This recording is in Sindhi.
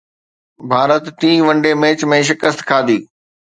ڀارت ٽئين ون ڊي ميچ ۾ شڪست کاڌي